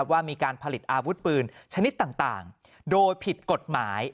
ว่ามีการผลิตอาวุธปืนชนิดต่างโดยผิดกฎหมาย